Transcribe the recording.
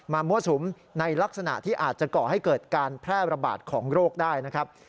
มั่วสุมในลักษณะที่อาจจะก่อให้เกิดการแพร่ระบาดของโรคได้นะครับ